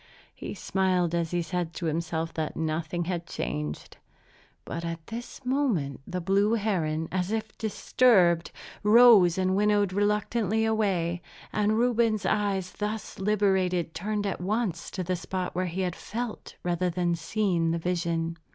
He smiled as he said to himself that nothing had changed. But at this moment the blue heron, as if disturbed, rose and winnowed reluctantly away; and Reuben's eyes, thus liberated, turned at once to the spot where he had felt, rather than seen, the vision.